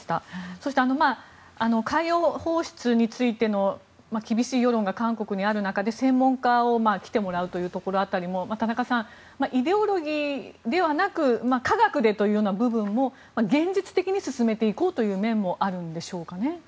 そして、海洋放出についての厳しい世論が韓国にある中で専門家に来てもらうという辺りも田中さん、イデオロギーではなく科学でという部分も現実的に進めていこうという面もあるんでしょうかね。